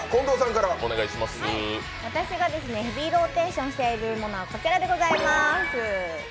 私がヘビーローテーションしているものはこちらでございます。